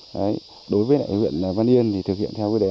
đấy đối với đại viện văn yên thì thực hiện theo đề án du lịch